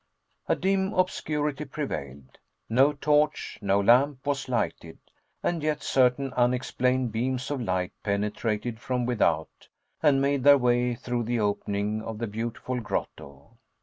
A dim obscurity prevailed. No torch, no lamp was lighted, and yet certain unexplained beams of light penetrated from without, and made their way through the opening of the beautiful grotto.